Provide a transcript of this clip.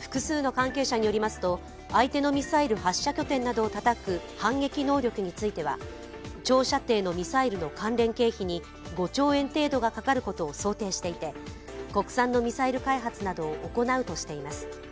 複数の関係者によりますと明いてのミサイル発射拠点などをたたく反撃能力については、長射程のミサイルの関連経費に５兆円程度がかかることを想定していて国産のミサイル開発などを行うとしています。